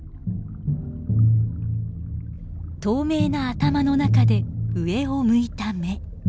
透明な頭の中で上を向いた目。